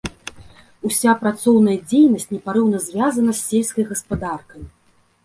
Уся працоўная дзейнасць непарыўна звязана з сельскай гаспадаркай.